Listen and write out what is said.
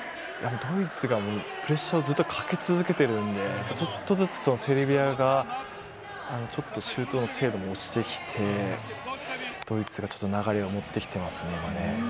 ドイツがプレッシャーをかけ続けてるので、ちょっとずつセルビアがちょっとシュートの精度が落ちてきて、ドイツが流れを持ってきてますね、今ね。